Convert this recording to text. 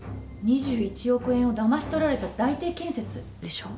２１億円をだまし取られた大邸建設でしょう。